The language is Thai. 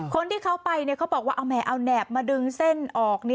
คนที่เขาไปเขาบอกว่าเอาแหเอาแนบมาดึงเส้นออก